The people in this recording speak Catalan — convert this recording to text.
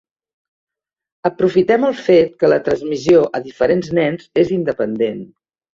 Aprofitem el fet que la transmissió a diferents nens és independent.